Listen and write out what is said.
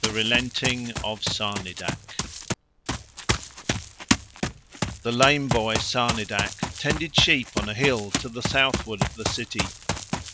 THE RELENTING OF SARNIDAC The lame boy Sarnidac tended sheep on a hill to the southward of the city.